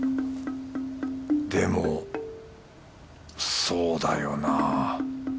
でもそうだよな。